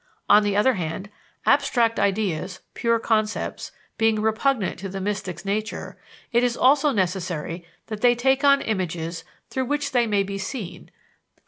On the other hand, abstract ideas, pure concepts, being repugnant to the mystic's nature, it is also necessary that they take on images through which they may be seen e.